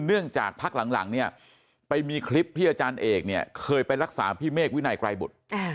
เนื่องจากพักหลังเนี่ยไปมีคลิปที่อาจารย์เอกเนี่ยเคยไปรักษาพี่เมฆวินัยไกรบุตร